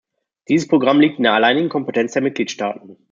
Dieses Programm liegt in der alleinigen Kompetenz der Mitgliedstaaten.